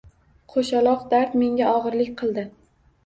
Qo`shaloq dard menga og`irlik qildi